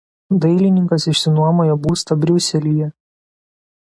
Dailininkas išsinuomojo būstą Briuselyje.